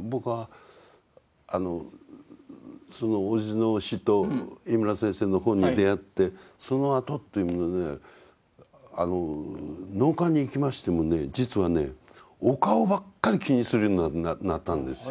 僕はそのおじの死と井村先生の本に出会ってそのあとというものね納棺に行きましてもね実はねお顔ばっかり気にするようになったんですよ。